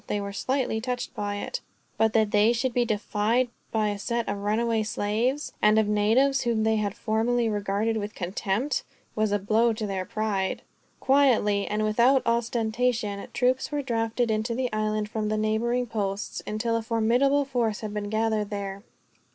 They were slightly touched by it; but that they should be defied by a set of runaway slaves; and of natives, whom they had formerly regarded with contempt; was a blow to their pride. Quietly, and without ostentation, troops were drafted into the island from the neighboring posts, until a formidable force had been gathered there.